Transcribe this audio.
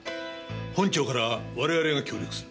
本庁から我々が協力する。